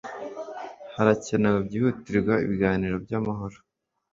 harakenewe byihutirwa ibiganiro byamahoro